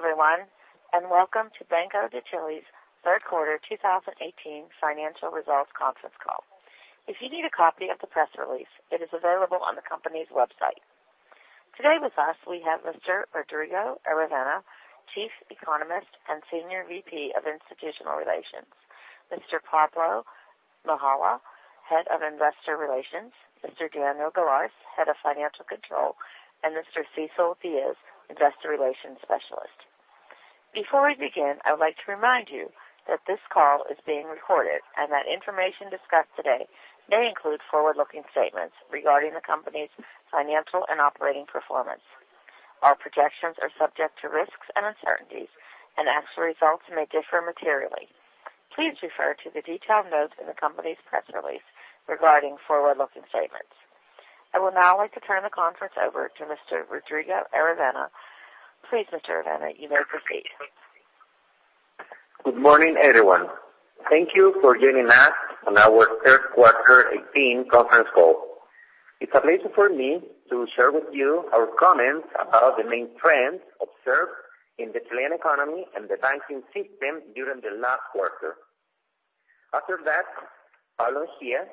Hello, everyone, and welcome to Banco de Chile's third quarter 2018 financial results conference call. If you need a copy of the press release, it is available on the company's website. Today with us, we have Mr. Rodrigo Aravena, Chief Economist and Senior VP of Institutional Relations, Mr. Pablo Mejia, Head of Investor Relations, Mr. Daniel Galarce, Head of Financial Control, and Mr. Cecil Diaz, Investor Relations Specialist. Before we begin, I would like to remind you that this call is being recorded and that information discussed today may include forward-looking statements regarding the company's financial and operating performance. All projections are subject to risks and uncertainties, and actual results may differ materially. Please refer to the detailed notes in the company's press release regarding forward-looking statements. I would now like to turn the conference over to Mr. Rodrigo Aravena. Please, Mr. Aravena, you may proceed. Good morning, everyone. Thank you for joining us on our third quarter 2018 conference call. It's a pleasure for me to share with you our comments about the main trends observed in the Chilean economy and the banking system during the last quarter. After that, Pablo here,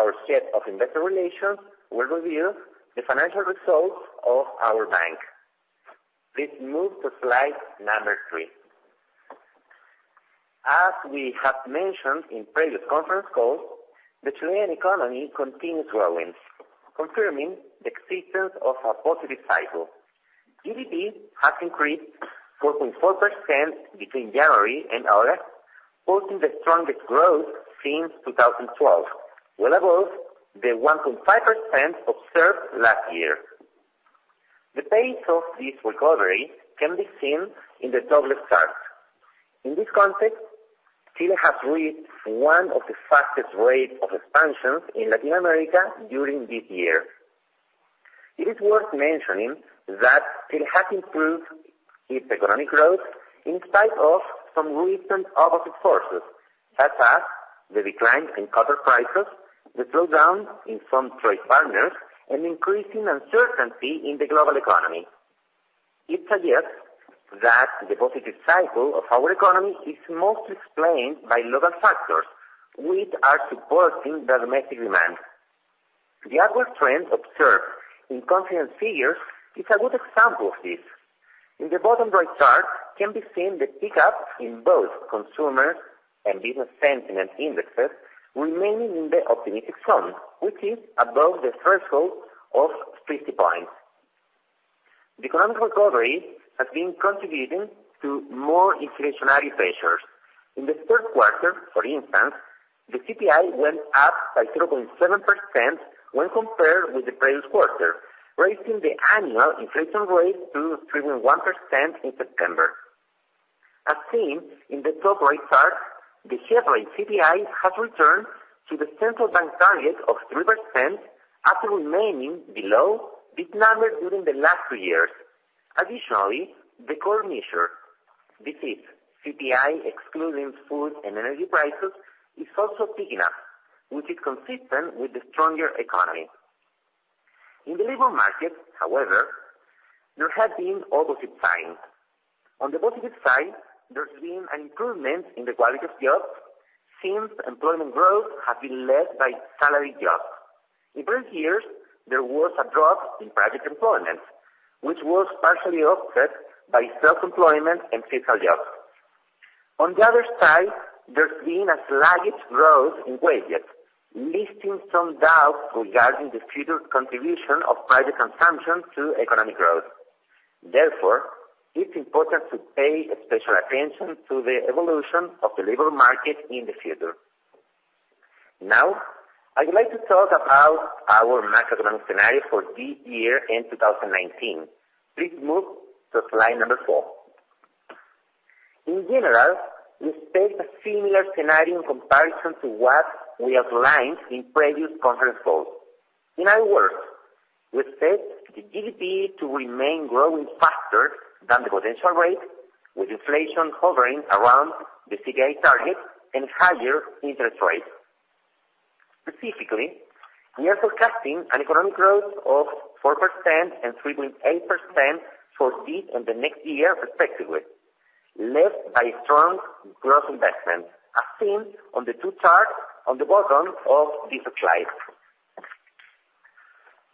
our Head of Investor Relations, will review the financial results of our bank. Please move to slide number three. As we have mentioned in previous conference calls, the Chilean economy continues growing, confirming the existence of a positive cycle. GDP has increased 4.4% between January and August, posting the strongest growth since 2012, well above the 1.5% observed last year. The pace of this recovery can be seen in the top left chart. In this context, Chile has reached one of the fastest rates of expansion in Latin America during this year. It is worth mentioning that Chile has improved its economic growth in spite of some recent opposite forces, such as the decline in copper prices, the slowdown in some trade partners, and increasing uncertainty in the global economy. It suggests that the positive cycle of our economy is mostly explained by local factors, which are supporting the domestic demand. The upward trend observed in confidence figures is a good example of this. In the bottom right chart can be seen the pick-up in both consumer and business sentiment indexes remaining in the optimistic zone, which is above the threshold of 50 points. The economic recovery has been contributing to more inflationary pressures. In the third quarter, for instance, the CPI went up by 0.7% when compared with the previous quarter, raising the annual inflation rate to 3.1% in September. As seen in the top right chart, the yearly CPI has returned to the central bank target of 3% after remaining below this number during the last three years. Additionally, the core measure, this is CPI excluding food and energy prices, is also picking up, which is consistent with the stronger economy. In the labor market, however, there have been opposite signs. On the positive side, there's been an improvement in the quality of jobs since employment growth has been led by salary jobs. In previous years, there was a drop in private employment, which was partially offset by self-employment and fiscal jobs. On the other side, there's been a sluggish growth in wages, leaving some doubt regarding the future contribution of private consumption to economic growth. Therefore, it's important to pay special attention to the evolution of the labor market in the future. Now, I would like to talk about our macroeconomic scenario for this year and 2019. Please move to slide number four. In general, we expect a similar scenario in comparison to what we outlined in previous conference calls. In other words, we expect the GDP to remain growing faster than the potential rate, with inflation hovering around the CPI target and higher interest rates. Specifically, we are forecasting an economic growth of 4% and 3.8% for this and the next year, respectively, led by strong gross investment, as seen on the two charts on the bottom of this slide.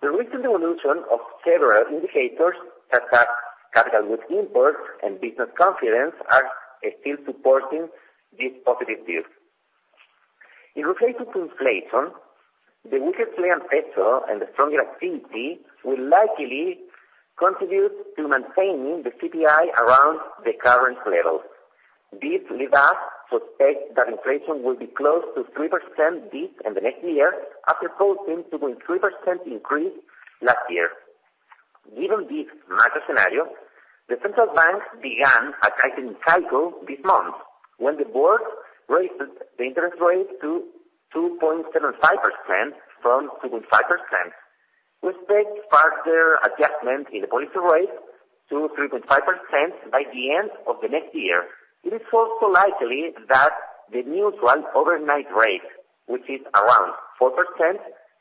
The recent evolution of several indicators such as capital goods imports and business confidence are still supporting this positive view. In relation to inflation, the weaker Chilean peso and the stronger activity will likely contribute to maintaining the CPI around the current levels. This leads us to expect that inflation will be close to 3% this and the next year after posting a 3% increase last year. Given this macro scenario, the Central Bank began a tightening cycle this month, when the board raised the interest rate to 2.75% from 2.5%. We expect further adjustment in the policy rate to 3.5% by the end of the next year. It is also likely that the neutral overnight rate, which is around 4%,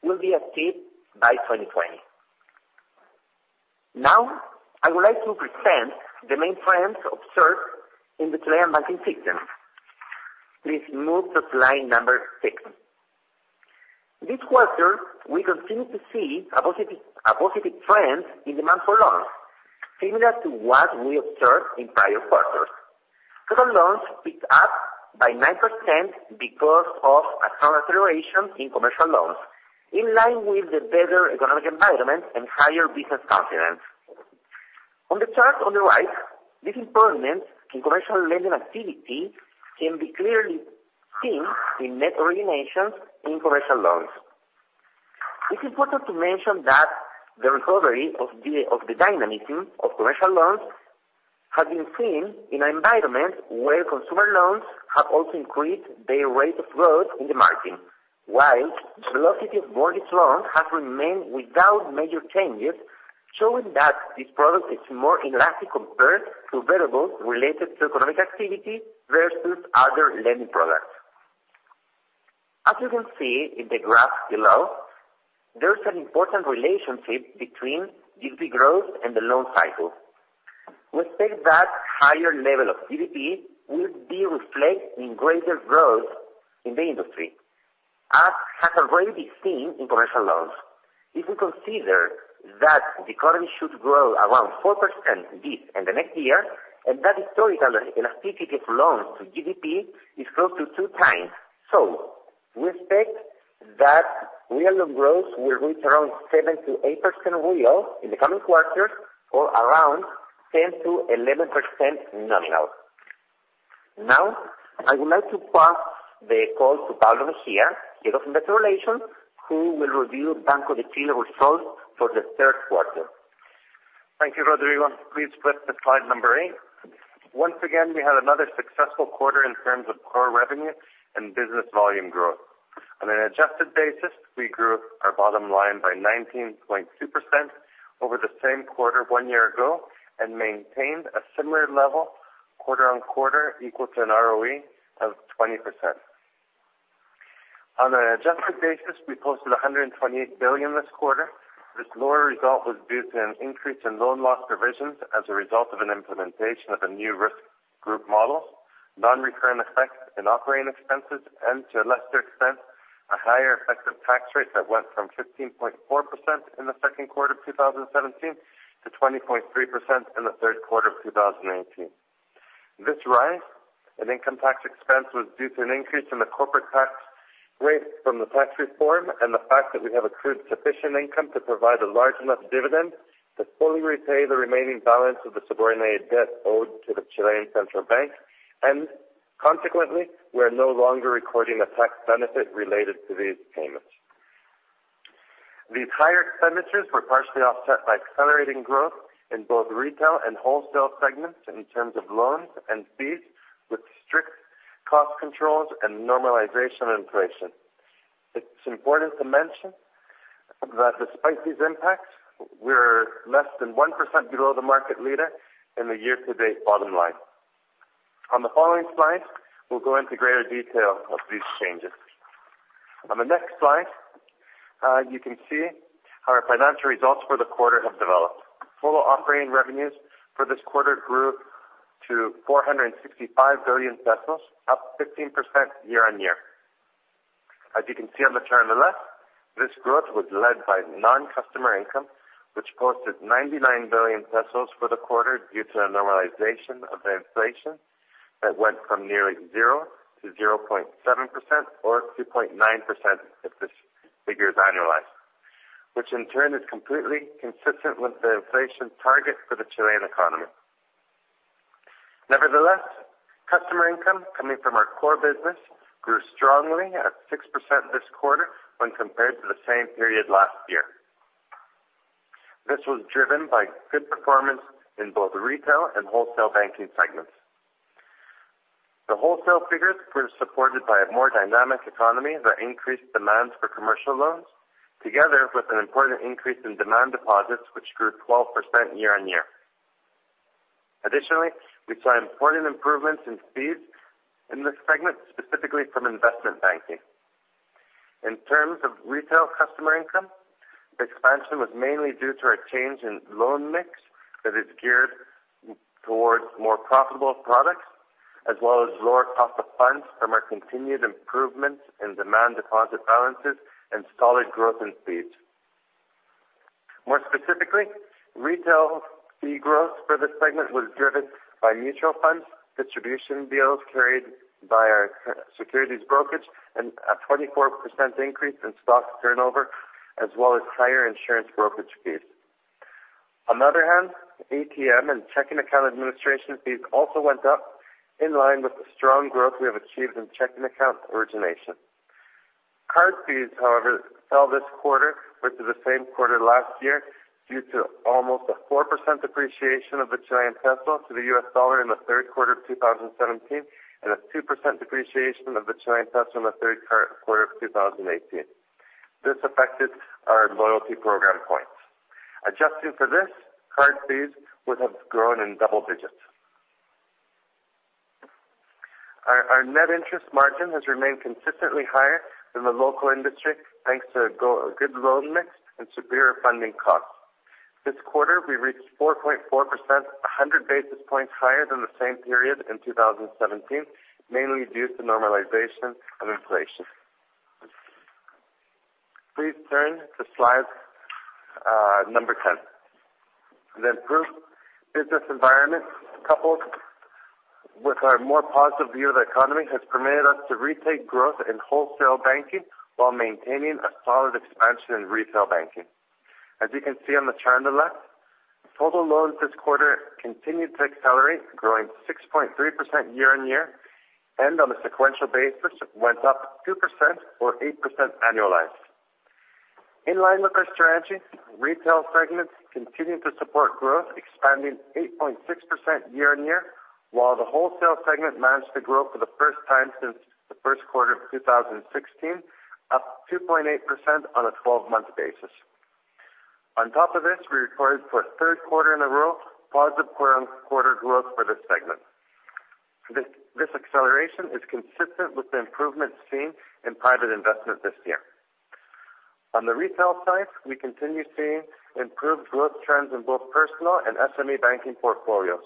will be achieved by 2020. Now, I would like to present the main trends observed in the Chilean banking system. Please move to slide number six. This quarter, we continue to see a positive trend in demand for loans, similar to what we observed in prior quarters. Total loans picked up by 9% because of a strong acceleration in commercial loans, in line with the better economic environment and higher business confidence. On the chart on the right, this improvement in commercial lending activity can be clearly seen in net originations in commercial loans. It's important to mention that the recovery of the dynamism of commercial loans has been seen in an environment where consumer loans have also increased their rate of growth in the market, while the velocity of mortgage loans has remained without major changes, showing that this product is more inelastic compared to variables related to economic activity versus other lending products. As you can see in the graph below, there's an important relationship between GDP growth and the loan cycle. We expect that higher level of GDP will be reflected in greater growth in the industry, as has already been seen in commercial loans. If we consider that the economy should grow around 4% this and the next year, and that historical elasticity of loans to GDP is close to two times. We expect that real loan growth will reach around 7%-8% real in the coming quarters or around 10%-11% nominal. Now, I would like to pass the call to Pablo Mejia, Head of Investor Relations, who will review Banco de Chile results for the third quarter. Thank you, Rodrigo. Please flip to slide number eight. Once again, we had another successful quarter in terms of core revenue and business volume growth. On an adjusted basis, we grew our bottom line by 19.2% over the same quarter one year ago and maintained a similar level quarter on quarter equal to an ROE of 20%. On an adjusted basis, we posted 128 billion this quarter. This lower result was due to an increase in loan loss provisions as a result of an implementation of a new risk group model, non-recurring effects in operating expenses, and to a lesser extent, a higher effective tax rate that went from 15.4% in the second quarter of 2017 to 20.3% in the third quarter of 2018. This rise in income tax expense was due to an increase in the corporate tax rate from the tax reform and the fact that we have accrued sufficient income to provide a large enough dividend to fully repay the remaining balance of the subordinated debt owed to the Central Bank of Chile. Consequently, we are no longer recording a tax benefit related to these payments. These higher expenditures were partially offset by accelerating growth in both retail and wholesale segments in terms of loans and fees with strict cost controls and normalization of inflation. It's important to mention that despite these impacts, we're less than 1% below the market leader in the year-to-date bottom line. On the following slide, we'll go into greater detail of these changes. On the next slide, you can see how our financial results for the quarter have developed. Full operating revenues for this quarter grew to 465 billion pesos, up 15% year-on-year. As you can see on the chart on the left, this growth was led by non-customer income, which posted 99 billion pesos for the quarter due to a normalization of inflation that went from nearly zero to 0.7% or 2.9% if this figure is annualized, which in turn is completely consistent with the inflation target for the Chilean economy. Customer income coming from our core business grew strongly at 6% this quarter when compared to the same period last year. This was driven by good performance in both retail and wholesale banking segments. The wholesale figures were supported by a more dynamic economy that increased demands for commercial loans, together with an important increase in demand deposits, which grew 12% year-on-year. Additionally, we saw important improvements in fees in this segment, specifically from investment banking. In terms of retail customer income, the expansion was mainly due to a change in loan mix that is geared towards more profitable products, as well as lower cost of funds from our continued improvements in demand deposit balances and solid growth in fees. More specifically, retail fee growth for this segment was driven by mutual funds, distribution deals carried by our securities brokerage, and a 24% increase in stock turnover, as well as higher insurance brokerage fees. On the other hand, ATM and checking account administration fees also went up in line with the strong growth we have achieved in checking account origination. Card fees, however, fell this quarter versus the same quarter last year due to almost a 4% depreciation of the Chilean peso to the US dollar in the third quarter of 2017 and a 2% depreciation of the Chilean peso in the third quarter of 2018. This affected our loyalty program points. Adjusting for this, card fees would have grown in double digits. Our net interest margin has remained consistently higher than the local industry, thanks to a good loan mix and superior funding costs. This quarter, we reached 4.4%, 100 basis points higher than the same period in 2017, mainly due to normalization and inflation. Please turn to slide number 10. The improved business environment, coupled with our more positive view of the economy, has permitted us to retake growth in wholesale banking while maintaining a solid expansion in retail banking. As you can see on the chart on the left, total loans this quarter continued to accelerate, growing 6.3% year-on-year, and on a sequential basis, went up 2% or 8% annualized. In line with our strategy, retail segments continued to support growth, expanding 8.6% year-on-year, while the wholesale segment managed to grow for the first time since the first quarter of 2016, up 2.8% on a 12-month basis. On top of this, we recorded for a third quarter in a row positive quarter growth for this segment. This acceleration is consistent with the improvement seen in private investment this year. On the retail side, we continue seeing improved growth trends in both personal and SME banking portfolios.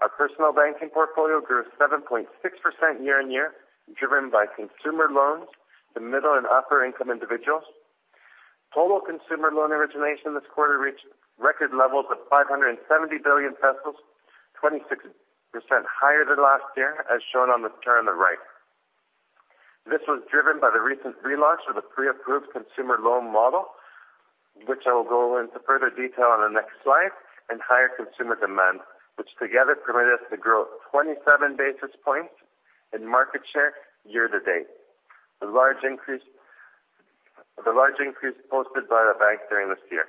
Our personal banking portfolio grew 7.6% year-on-year, driven by consumer loans to middle and upper-income individuals. Total consumer loan origination this quarter reached record levels of 570 billion pesos, 26% higher than last year, as shown on this chart on the right. This was driven by the recent relaunch of the pre-approved consumer loan model, which I will go into further detail on the next slide, and higher consumer demand, which together permitted us to grow 27 basis points in market share year to date. The large increase posted by the bank during this year.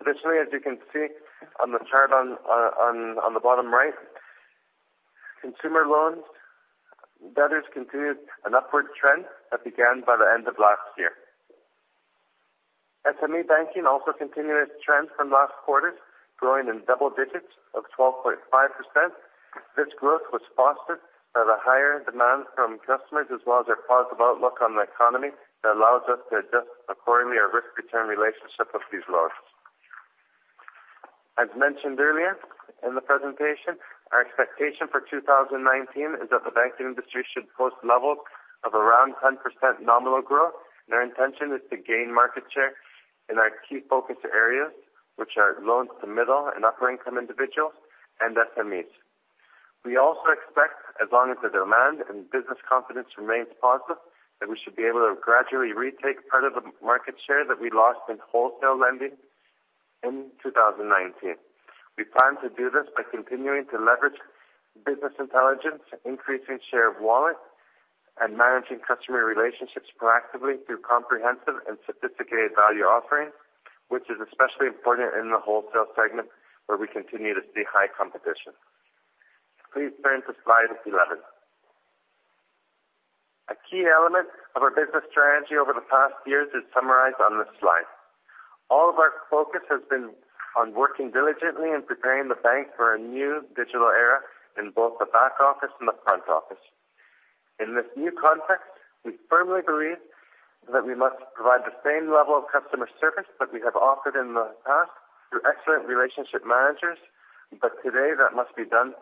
Additionally, as you can see on the chart on the bottom right, consumer loans debtors continued an upward trend that began by the end of last year. SME banking also continued its trend from last quarter, growing in double digits of 12.5%. This growth was fostered by the higher demand from customers as well as their positive outlook on the economy that allows us to adjust accordingly our risk-return relationship of these loans. As mentioned earlier in the presentation, our expectation for 2019 is that the banking industry should post levels of around 10% nominal growth. Our intention is to gain market share in our key focus areas, which are loans to middle and upper-income individuals and SMEs. We also expect, as long as the demand and business confidence remains positive, that we should be able to gradually retake part of the market share that we lost in wholesale lending in 2019. We plan to do this by continuing to leverage business intelligence, increasing share of wallet, and managing customer relationships proactively through comprehensive and sophisticated value offerings, which is especially important in the wholesale segment where we continue to see high competition. Please turn to slide 11. A key element of our business strategy over the past years is summarized on this slide. All of our focus has been on working diligently and preparing the bank for a new digital era in both the back office and the front office. In this new context, we firmly believe that we must provide the same level of customer service that we have offered in the past through excellent relationship managers, Today that must be done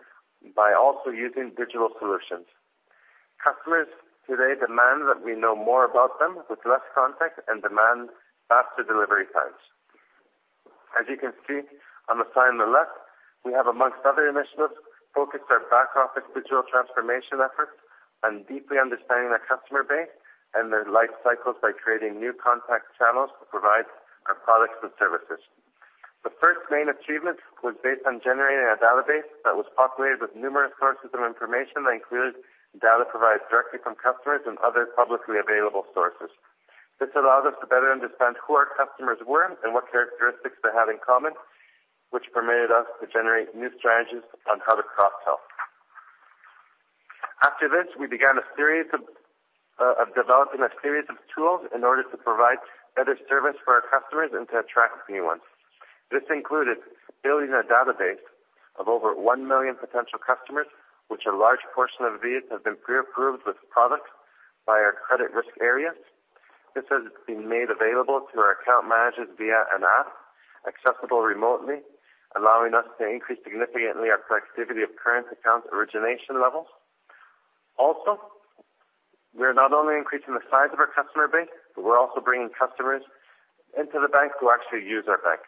by also using digital solutions. Customers today demand that we know more about them with less contact and demand faster delivery times. As you can see on the slide on the left, we have, amongst other initiatives, focused our back-office digital transformation efforts on deeply understanding our customer base and their life cycles by creating new contact channels to provide our products and services. The first main achievement was based on generating a database that was populated with numerous sources of information that included data provided directly from customers and other publicly available sources. This allowed us to better understand who our customers were and what characteristics they have in common, which permitted us to generate new strategies on how to cross-sell. After this, we began developing a series of tools in order to provide better service for our customers and to attract new ones. This included building a database of over 1 million potential customers, which a large portion of these have been pre-approved with products by our credit risk areas. This has been made available to our account managers via an app, accessible remotely, allowing us to increase significantly our selectivity of current account origination levels. We are not only increasing the size of our customer base, but we're also bringing customers into the bank who actually use our bank.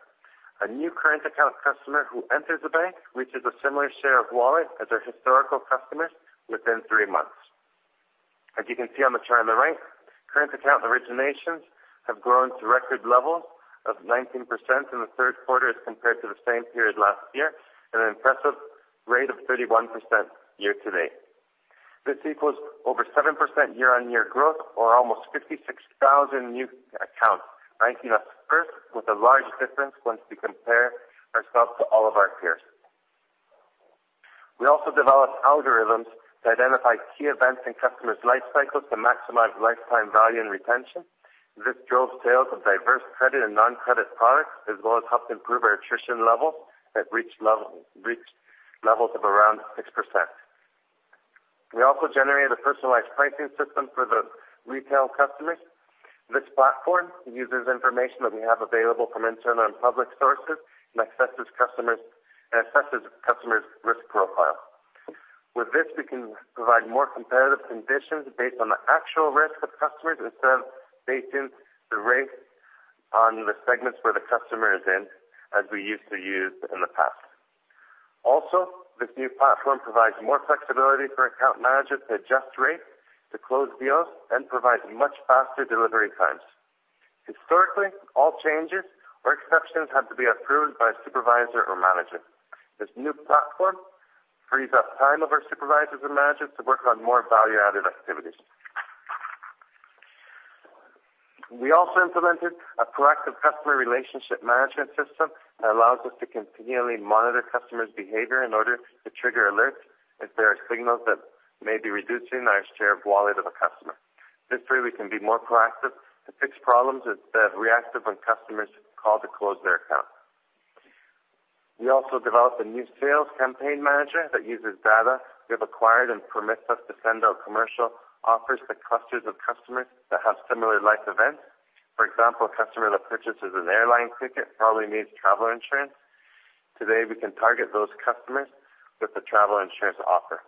A new current account customer who enters the bank reaches a similar share of wallet as our historical customers within three months. As you can see on the chart on the right, current account originations have grown to record levels of 19% in the third quarter as compared to the same period last year, at an impressive rate of 31% year-to-date. This equals over 7% year-on-year growth or almost 56,000 new accounts, ranking us first with a large difference once we compare ourselves to all of our peers. We also developed algorithms that identify key events in customers' life cycles to maximize lifetime value and retention. This drove sales of diverse credit and non-credit products, as well as helped improve our attrition level that reached levels of around 6%. We also generated a personalized pricing system for the retail customers. This platform uses information that we have available from internal and public sources and assesses customers' risk profile. With this, we can provide more competitive conditions based on the actual risk of customers instead of based on the risk on the segments where the customer is in, as we used to use in the past. This new platform provides more flexibility for account managers to adjust rates to close deals and provides much faster delivery times. Historically, all changes or exceptions had to be approved by a supervisor or manager. This new platform frees up time of our supervisors and managers to work on more value-added activities. We also implemented a proactive customer relationship management system that allows us to continually monitor customers' behavior in order to trigger alerts if there are signals that may be reducing our share of wallet of a customer. This way, we can be more proactive to fix problems instead of reactive when customers call to close their account. We also developed a new sales campaign manager that uses data we have acquired and permits us to send out commercial offers to clusters of customers that have similar life events. For example, a customer that purchases an airline ticket probably needs travel insurance. Today, we can target those customers with the travel insurance offer.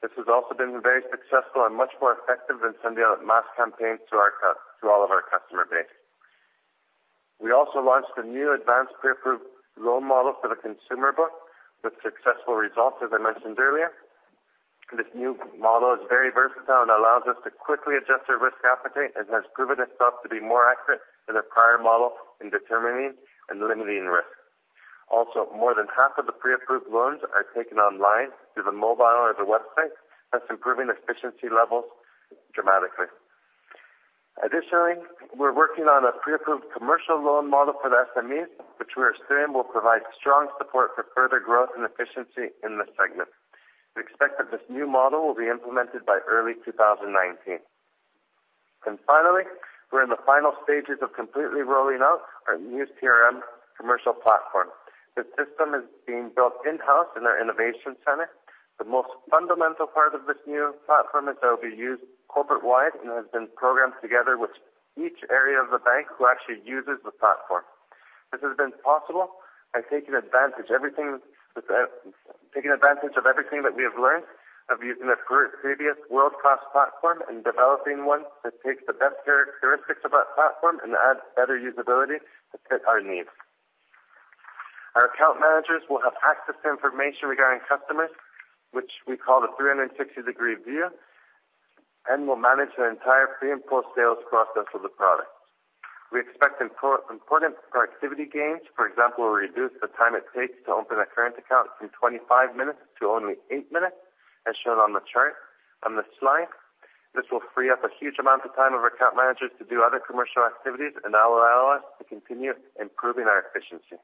This has also been very successful and much more effective than sending out mass campaigns to all of our customer base. We also launched a new advanced pre-approved loan model for the consumer book with successful results, as I mentioned earlier. This new model is very versatile and allows us to quickly adjust our risk appetite and has proven itself to be more accurate than the prior model in determining and limiting risk. Also, more than half of the pre-approved loans are taken online through the mobile or the website, thus improving efficiency levels dramatically. Additionally, we're working on a pre-approved commercial loan model for the SMEs, which we are assuming will provide strong support for further growth and efficiency in this segment. We expect that this new model will be implemented by early 2019. Finally, we're in the final stages of completely rolling out our new CRM commercial platform. This system is being built in-house in our innovation center. The most fundamental part of this new platform is that it will be used corporate-wide and has been programmed together with each area of the bank who actually uses the platform. This has been possible by taking advantage of everything that we have learned of using a previous world-class platform and developing one that takes the best characteristics of that platform and adds better usability to fit our needs. Our account managers will have access to information regarding customers, which we call the 360-degree view, and will manage the entire pre- and post-sales process of the product. We expect important productivity gains. For example, reduce the time it takes to open a current account from 25 minutes to only eight minutes, as shown on the chart on this slide. This will free up a huge amount of time of our account managers to do other commercial activities and that will allow us to continue improving our efficiency.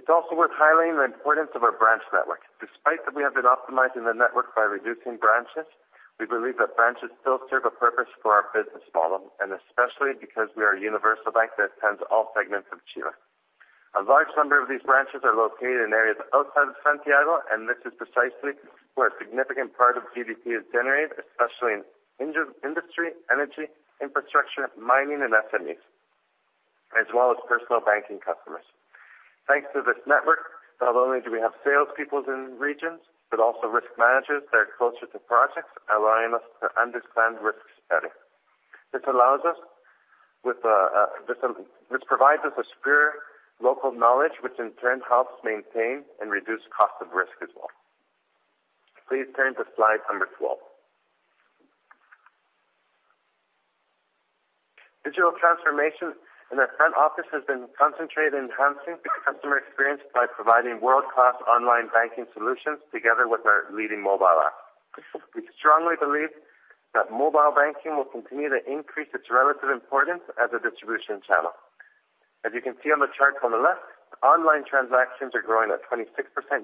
It's also worth highlighting the importance of our branch network. Despite that we have been optimizing the network by reducing branches, we believe that branches still serve a purpose for our business model, and especially because we are a universal bank that attends all segments of Chile. A large number of these branches are located in areas outside of Santiago, and this is precisely where a significant part of GDP is generated, especially in industry, energy, infrastructure, mining, and SMEs, as well as personal banking customers. Thanks to this network, not only do we have sales peoples in regions, but also risk managers that are closer to projects, allowing us to understand risk better. This provides us with superior local knowledge, which in turn helps maintain and reduce cost of risk as well. Please turn to slide number 12. Digital transformation in our front office has been concentrated in enhancing the customer experience by providing world-class online banking solutions together with our leading mobile app. We strongly believe that mobile banking will continue to increase its relative importance as a distribution channel. As you can see on the charts on the left, online transactions are growing at 26%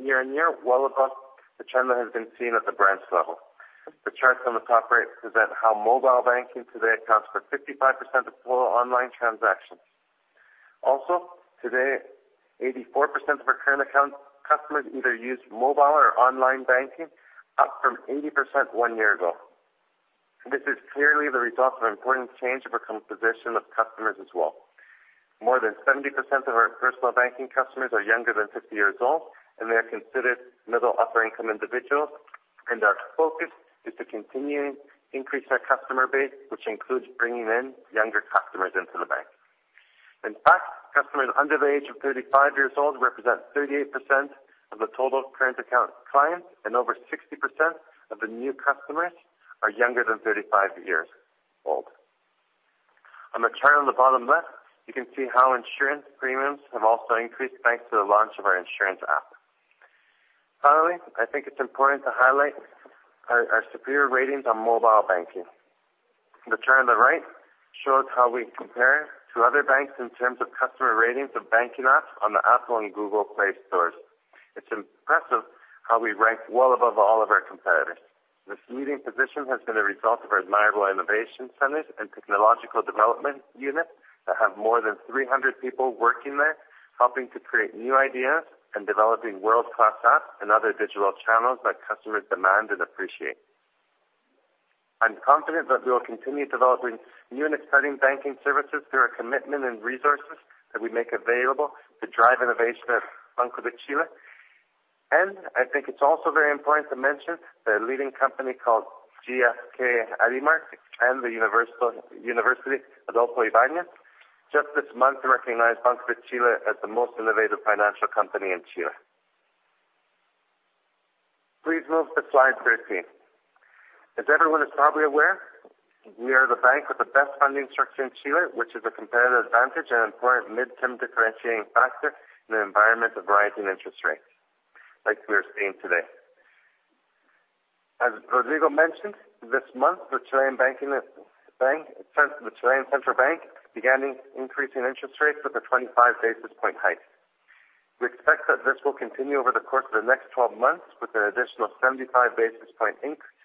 year-over-year, well above the trend that has been seen at the branch level. The charts on the top right present how mobile banking today accounts for 55% of total online transactions. Also today, 84% of our current account customers either use mobile or online banking, up from 80% one year ago. This is clearly the result of important change of our composition of customers as well. More than 70% of our personal banking customers are younger than 50 years old, and they are considered middle-upper income individuals. Our focus is to continue increasing our customer base, which includes bringing in younger customers into the bank. In fact, customers under the age of 35 years old represent 38% of the total current account clients, and over 60% of the new customers are younger than 35 years old. On the chart on the bottom left, you can see how insurance premiums have also increased thanks to the launch of our insurance app. Finally, I think it's important to highlight our superior ratings on mobile banking. The chart on the right shows how we compare to other banks in terms of customer ratings of banking apps on the Apple and Google Play stores. It's impressive how we ranked well above all of our competitors. This leading position has been a result of our admirable innovation centers and technological development unit that have more than 300 people working there, helping to create new ideas and developing world-class apps and other digital channels that customers demand and appreciate. I'm confident that we will continue developing new and exciting banking services through our commitment and resources that we make available to drive innovation at Banco de Chile. I think it's also very important to mention the leading company called GfK Adimark and the university, Adolfo Ibáñez. Just this month, they recognized Banco de Chile as the most innovative financial company in Chile. Please move to slide 13. As everyone is probably aware, we are the bank with the best funding structure in Chile, which is a competitive advantage and important midterm differentiating factor in an environment of rising interest rates like we are seeing today. As Rodrigo mentioned, this month, the Chilean Central Bank began increasing interest rates with a 25 basis point hike. We expect that this will continue over the course of the next 12 months with an additional 75 basis point increase.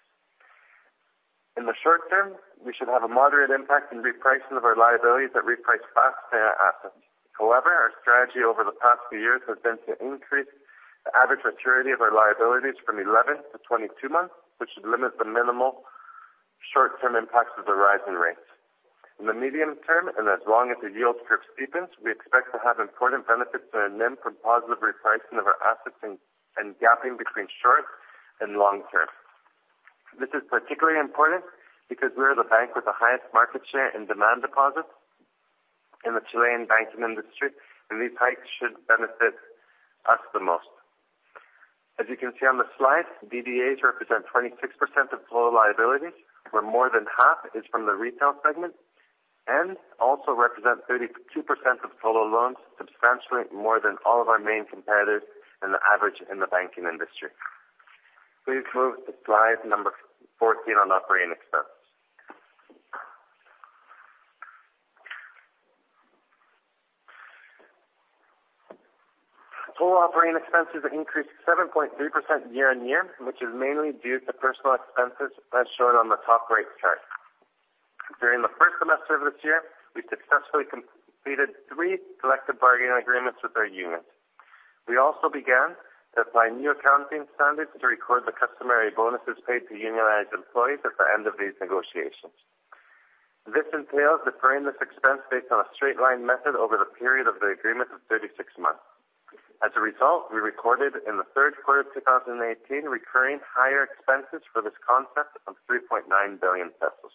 In the short term, we should have a moderate impact in repricing of our liabilities that reprice fast to our assets. However, our strategy over the past few years has been to increase the average maturity of our liabilities from 11 to 22 months, which should limit the minimal short-term impacts of the rise in rates. In the medium term, and as long as the yield curve steepens, we expect to have important benefits to our NIM from positive repricing of our assets and gapping between short and long term. This is particularly important because we are the bank with the highest market share in demand deposits in the Chilean banking industry, and these hikes should benefit us the most. As you can see on the slide, DDAs represent 26% of total liabilities, where more than half is from the retail segment, and also represent 32% of total loans, substantially more than all of our main competitors and the average in the banking industry. Please move to slide number 14 on operating expenses. Total operating expenses increased 7.3% year-over-year, which is mainly due to personal expenses as shown on the top right chart. During the first semester of this year, we successfully completed three collective bargaining agreements with our unions. We also began to apply new accounting standards to record the customary bonuses paid to unionized employees at the end of these negotiations. This entails deferring this expense based on a straight-line method over the period of the agreement of 36 months. As a result, we recorded in the third quarter of 2018, recurring higher expenses for this concept of 3.9 billion pesos.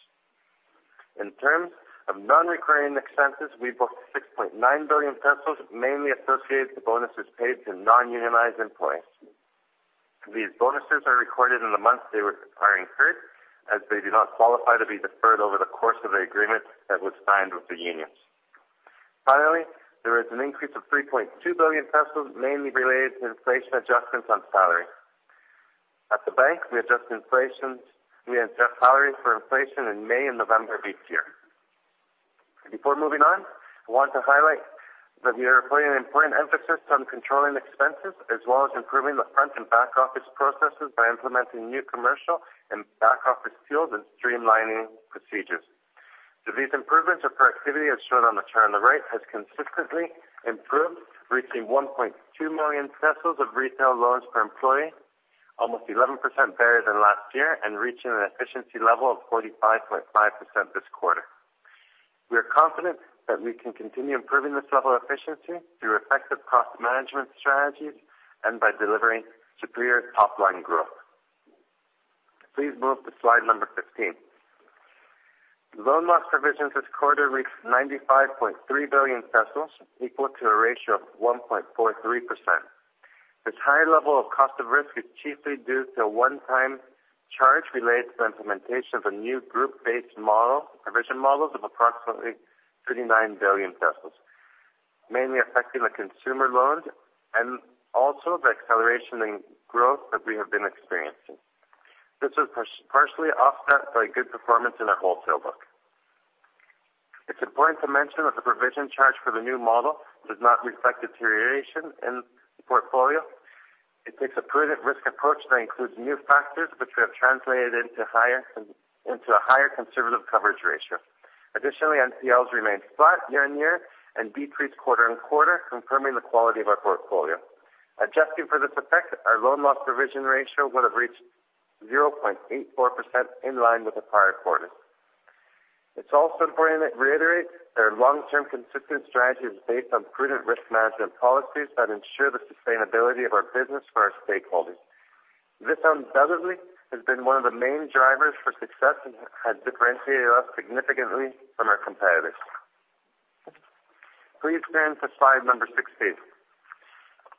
In terms of non-recurring expenses, we booked 6.9 billion pesos, mainly associated to bonuses paid to non-unionized employees. These bonuses are recorded in the month they are incurred, as they do not qualify to be deferred over the course of the agreement that was signed with the unions. There was an increase of 3.2 billion pesos, mainly related to inflation adjustments on salaries. At the bank, we adjust salaries for inflation in May and November of each year. Before moving on, I want to highlight that we are putting an important emphasis on controlling expenses as well as improving the front and back-office processes by implementing new commercial and back-office tools and streamlining procedures. These improvements of productivity, as shown on the chart on the right, has consistently improved, reaching 1.2 million pesos of retail loans per employee, almost 11% better than last year, and reaching an efficiency level of 45.5% this quarter. We are confident that we can continue improving this level of efficiency through effective cost management strategies and by delivering superior top-line growth. Please move to slide number 15. Loan loss provisions this quarter reached 95.3 billion pesos, equal to a ratio of 1.43%. This high level of cost of risk is chiefly due to a one-time charge related to the implementation of a new group-based model, provision models of approximately 39 billion pesos, mainly affecting the consumer loans, and also the acceleration in growth that we have been experiencing. This was partially offset by good performance in our wholesale book. It's important to mention that the provision charge for the new model does not reflect deterioration in the portfolio. It takes a prudent risk approach that includes new factors which we have translated into a higher conservative coverage ratio. NPLs remained flat year-over-year and decreased quarter-over-quarter, confirming the quality of our portfolio. Adjusting for this effect, our loan loss provision ratio would have reached 0.84%, in line with the prior quarter. It's also important to reiterate that our long-term consistent strategy is based on prudent risk management policies that ensure the sustainability of our business for our stakeholders. This undoubtedly has been one of the main drivers for success and has differentiated us significantly from our competitors. Please turn to slide number 16.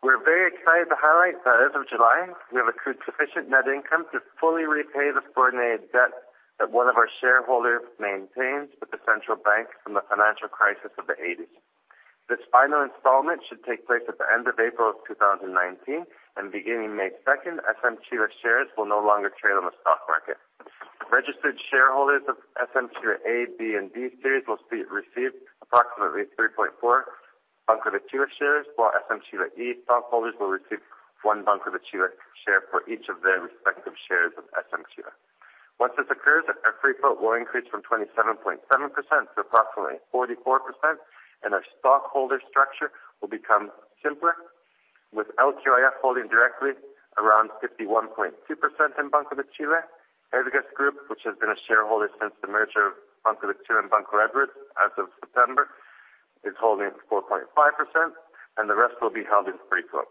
We are very excited to highlight that as of July, we have accrued sufficient net income to fully repay the subordinated debt that one of our shareholders maintains with the Central Bank from the financial crisis of the 1980s. This final installment should take place at the end of April 2019, and beginning May 2nd, SM-Chile shares will no longer trade on the stock market. Registered shareholders of SM-Chile A, B, and D series will receive approximately 3.4 Banco de Chile shares, while SM-Chile E stockholders will receive one Banco de Chile share for each of their respective shares of SM-Chile. Once this occurs, our free float will increase from 27.7% to approximately 44%, and our stockholder structure will become simpler with LQIF holding directly around 51.2% in Banco de Chile. Ergas Group, which has been a shareholder since the merger of Banco de Chile and Banco Edwards as of September, is holding 4.5%, and the rest will be held in free float.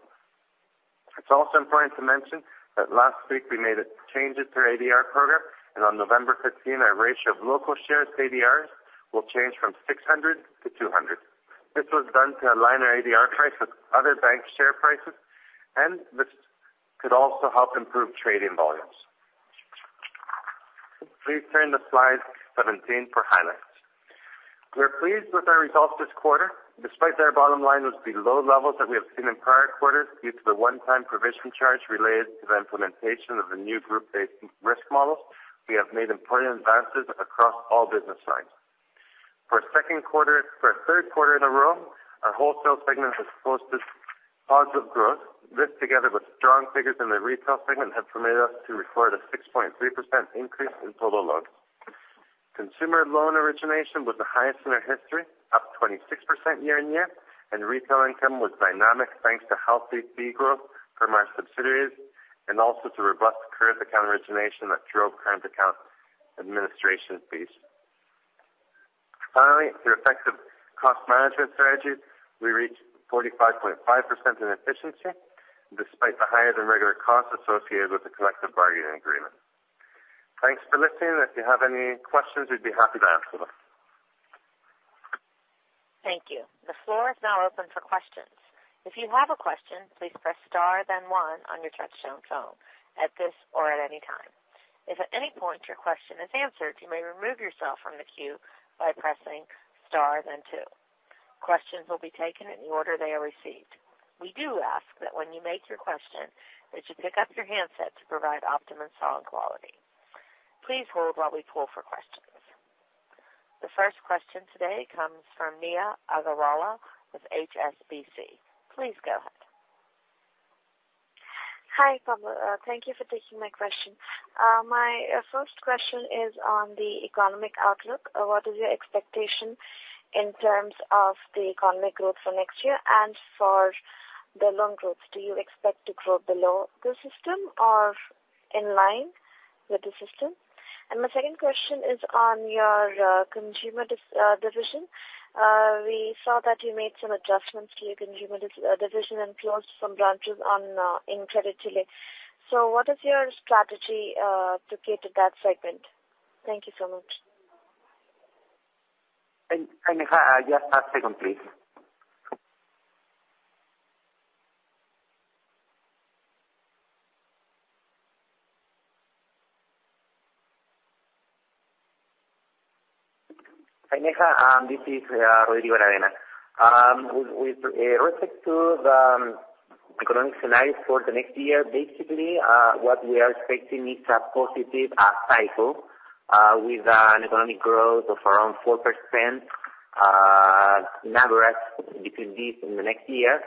It is also important to mention that last week we made changes to our ADR program, and on November 15, our ratio of local shares to ADRs will change from 600 to 200. This was done to align our ADR price with other bank share prices, and this could also help improve trading volumes. Please turn to slide 17 for highlights. We are pleased with our results this quarter. Despite their bottom line was below levels that we have seen in prior quarters due to the one-time provision charge related to the implementation of the new group-based risk model, we have made important advances across all business lines. For a third quarter in a row, our Wholesale segment has posted positive growth. This, together with strong figures in the Retail segment, have permitted us to record a 6.3% increase in total loans. Consumer loan origination was the highest in our history, up 26% year-on-year, and retail income was dynamic, thanks to healthy fee growth from our subsidiaries and also to robust current account origination that drove current account administration fees. Finally, through effective cost management strategies, we reached 45.5% in efficiency, despite the higher than regular costs associated with the collective bargaining agreement. Thanks for listening. If you have any questions, we'd be happy to answer them. Thank you. The floor is now open for questions. If you have a question, please press star then one on your touchtone phone at this or at any time. If at any point your question is answered, you may remove yourself from the queue by pressing star then two. Questions will be taken in the order they are received. We do ask that when you make your question, that you pick up your handset to provide optimum sound quality. Please hold while we pull for questions. The first question today comes from Neha Agarwala with HSBC. Please go ahead. Hi, Pablo. Thank you for taking my question. My first question is on the economic outlook. What is your expectation in terms of the economic growth for next year and for the loan growth? Do you expect to grow below the system or in line with the system? My second question is on your consumer division. We saw that you made some adjustments to your consumer division and closed some branches in Chile. What is your strategy to cater that segment? Thank you so much. Neha, just a second, please. Neha, this is Rodrigo Aravena. With respect to the economic scenario for the next year, basically, what we are expecting is a positive cycle, with an economic growth of around 4%, on average, between this and the next year.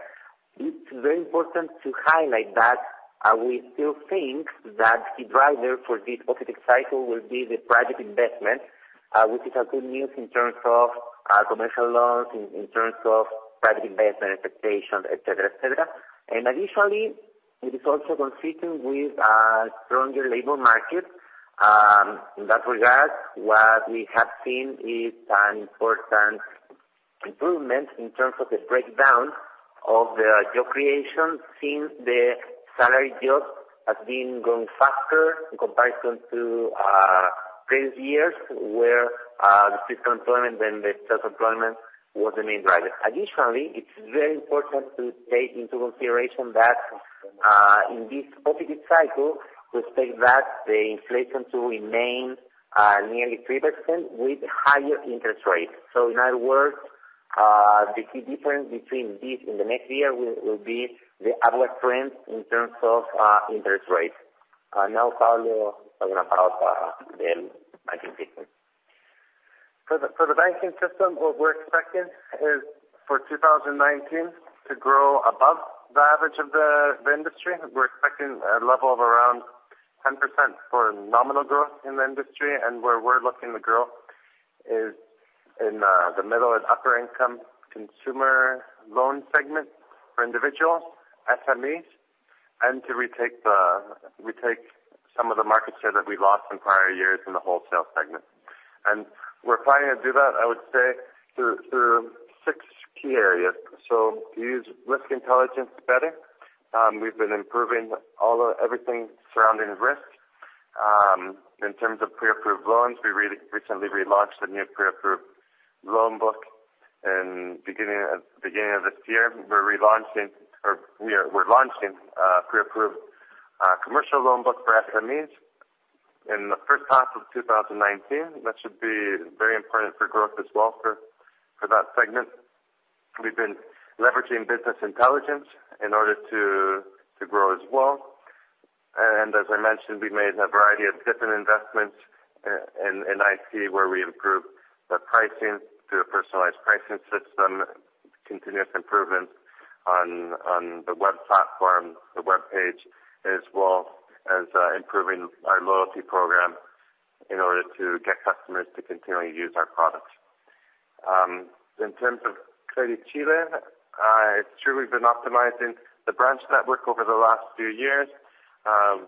It is very important to highlight that we still think that the driver for this positive cycle will be the private investment, which is good news in terms of commercial loans, in terms of private investment expectations, et cetera. Additionally, it is also consistent with a stronger labor market. In that regard, what we have seen is an important improvement in terms of the breakdown of the job creation, since the salary jobs have been growing faster in comparison to previous years, where the system employment and the self-employment was the main driver. Additionally, it is very important to take into consideration that in this positive cycle, we expect that the inflation to remain nearly 3% with higher interest rates. In other words, the key difference between this and the next year will be the outlook trend in terms of interest rates. Now, Pablo, talking about the banking system. For the banking system, what we are expecting is for 2019 to grow above the average of the industry. We are expecting a level of around 10% for nominal growth in the industry, and where we are looking to grow is in the middle and upper income consumer loan segment for individuals, SMEs, and to retake some of the market share that we lost in prior years in the wholesale segment. We are planning to do that, I would say, through six key areas. To use risk intelligence better, we have been improving everything surrounding risk. In terms of pre-approved loans, we recently relaunched the new pre-approved loan book. Beginning of this year, we are launching a pre-approved commercial loan book for SMEs in the first half of 2019. That should be very important for growth as well for that segment. We've been leveraging business intelligence in order to grow as well. As I mentioned, we made a variety of different investments in IT, where we improved the pricing through a personalized pricing system, continuous improvements on the web platform, the web page, as well as improving our loyalty program in order to get customers to continually use our products. In terms of CrediChile, it's true we've been optimizing the branch network over the last few years.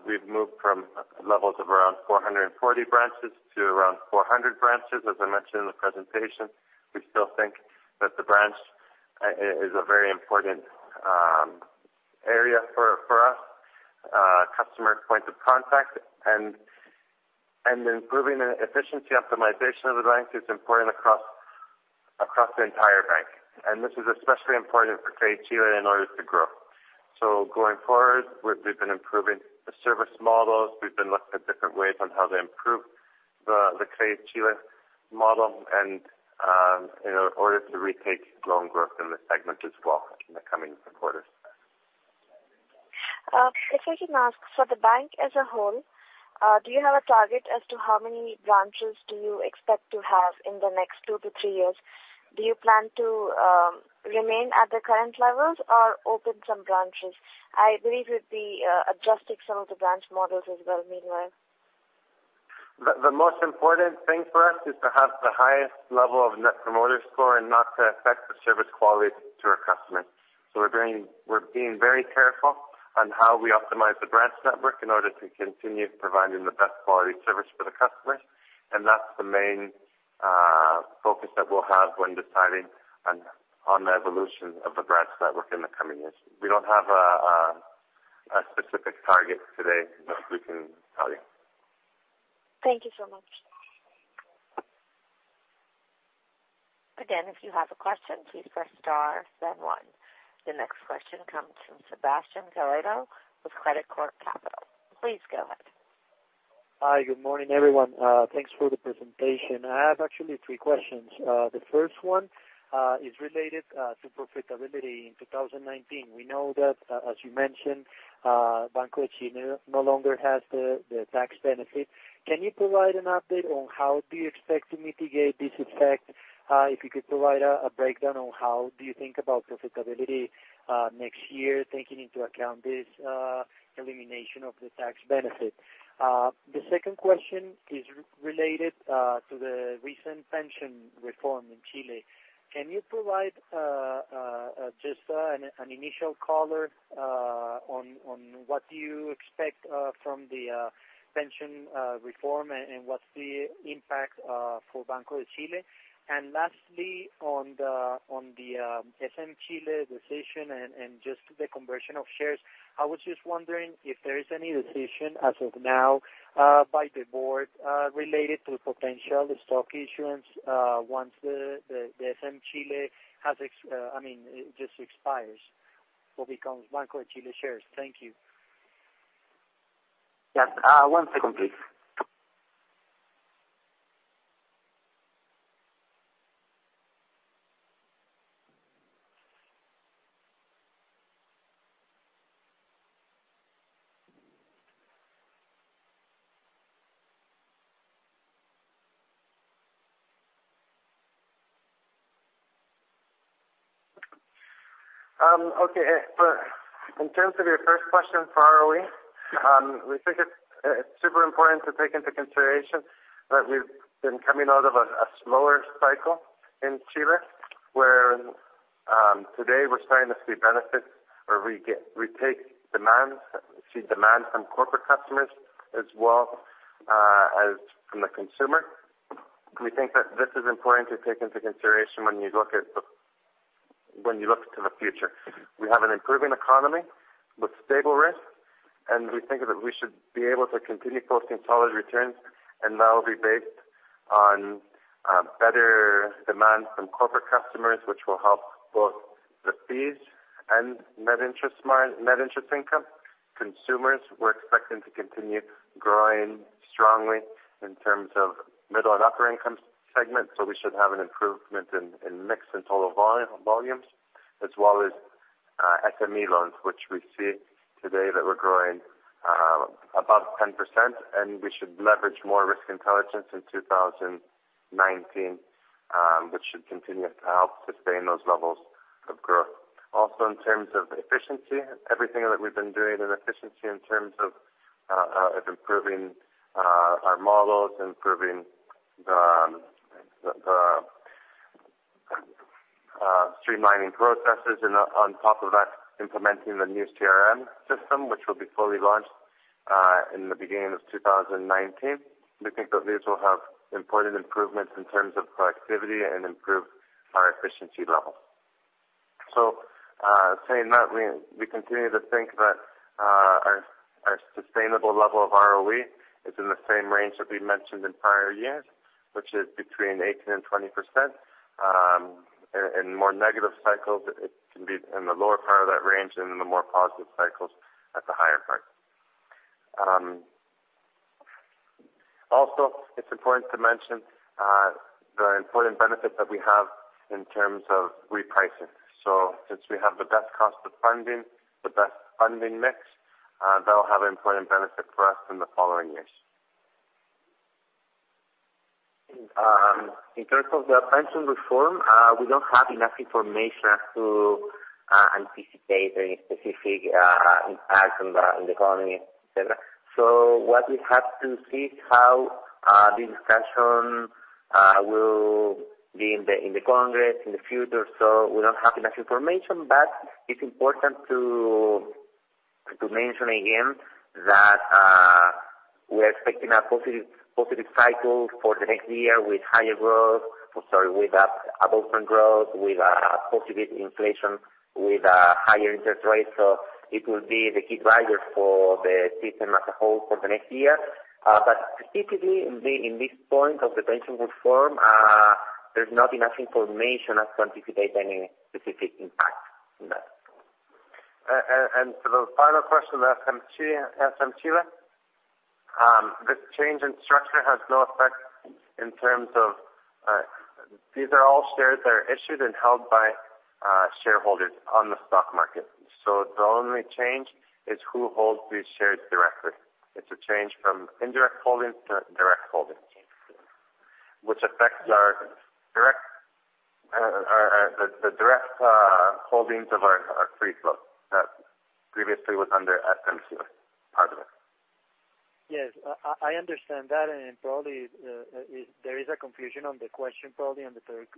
We've moved from levels of around 440 branches to around 400 branches, as I mentioned in the presentation. We still think that the branch is a very important area for us, a customer point of contact, and improving the efficiency optimization of the bank is important across the entire bank. This is especially important for CrediChile in order to grow. Going forward, we've been improving the service models. We've been looking at different ways on how to improve the CrediChile model in order to retake loan growth in the segment as well in the coming quarters. If I can ask, for the bank as a whole, do you have a target as to how many branches do you expect to have in the next two to three years? Do you plan to remain at the current levels or open some branches? I believe you'd be adjusting some of the branch models as well, meanwhile. The most important thing for us is to have the highest level of Net Promoter Score and not to affect the service quality to our customers. We're being very careful on how we optimize the branch network in order to continue providing the best quality service for the customer. That's the main focus that we'll have when deciding on the evolution of the branch network in the coming years. We don't have a specific target today that we can tell you. Thank you so much. Again, if you have a question, please press star then one. The next question comes from Sebastian Garrido with Credicorp Capital. Please go ahead. Hi, good morning, everyone. Thanks for the presentation. I have actually three questions. The first one is related to profitability in 2019. We know that, as you mentioned, Banco de Chile no longer has the tax benefit. Can you provide an update on how do you expect to mitigate this effect? If you could provide a breakdown on how do you think about profitability next year, taking into account this elimination of the tax benefit. The second question is related to the recent pension reform in Chile. Can you provide just an initial color on what you expect from the pension reform and what's the impact for Banco de Chile? Lastly, on the SM-Chile decision and just the conversion of shares, I was just wondering if there is any decision as of now by the board related to potential stock issuance once the SM-Chile just expires or becomes Banco de Chile shares. Thank you. Yes. One second, please. Okay. In terms of your first question for ROE, we think it's super important to take into consideration that we've been coming out of a slower cycle in Chile, where today we're starting to see benefits where we take demands, see demand from corporate customers as well as from the consumer. We think that this is important to take into consideration when you look to the future. We have an improving economy with stable risk, and we think that we should be able to continue posting solid returns, and that will be based on better demand from corporate customers, which will help both the fees and net interest income. Consumers, we're expecting to continue growing strongly in terms of middle and upper income segments, we should have an improvement in mix and total volumes as well as SME loans, which we see today that we're growing above 10%, and we should leverage more risk intelligence in 2019, which should continue to help sustain those levels of growth. Also, in terms of efficiency, everything that we've been doing in efficiency in terms of improving our models, streamlining processes, and on top of that, implementing the new CRM system, which will be fully launched in the beginning of 2019. We think that these will have important improvements in terms of productivity and improve our efficiency level. Saying that, we continue to think that our sustainable level of ROE is in the same range that we mentioned in prior years, which is between 18%-20%. In more negative cycles, it can be in the lower part of that range and in the more positive cycles at the higher part. Also, it's important to mention the important benefit that we have in terms of repricing. Since we have the best cost of funding, the best funding mix, that'll have important benefit for us in the following years. In terms of the pension reform, we don't have enough information as to anticipate any specific impact on the economy, et cetera. What we have to see is how the discussion will be in the Congress in the future. We don't have enough information, but it's important to mention again that we are expecting a positive cycle for the next year with above-trend growth, with a positive inflation, with higher interest rates. It will be the key drivers for the system as a whole for the next year. Specifically in this point of the pension reform, there's not enough information as to anticipate any specific impact in that. For the final question from Chile, this change in structure has no effect in terms of. These are all shares that are issued and held by shareholders on the stock market. The only change is who holds these shares directly. It's a change from indirect holdings to direct holdings, which affects the direct holdings of our free float that previously was under FMC. Pardon me. Yes. I understand that. Probably there is a confusion on the question, probably on the third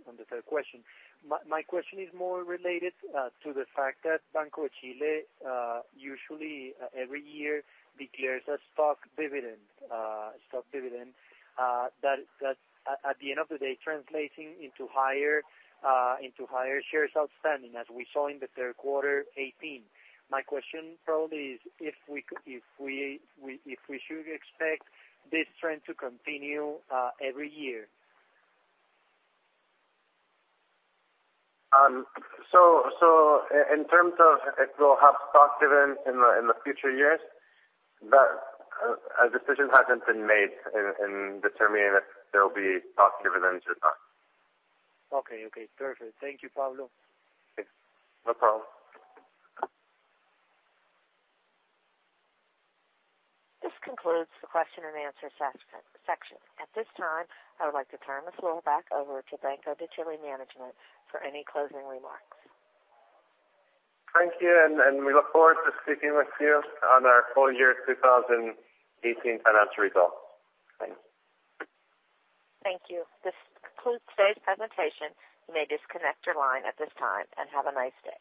question. My question is more related to the fact that Banco de Chile, usually every year declares a stock dividend, that at the end of the day, translating into higher shares outstanding, as we saw in Q3 2018. My question probably is if we should expect this trend to continue every year. In terms of if we'll have stock dividends in the future years, that decision hasn't been made in determining if there will be stock dividends or not. Okay. Perfect. Thank you, Pablo. No problem. This concludes the question and answer section. At this time, I would like to turn the floor back over to Banco de Chile management for any closing remarks. Thank you, and we look forward to speaking with you on our full year 2018 financial results. Thanks. Thank you. This concludes today's presentation. You may disconnect your line at this time, and have a nice day.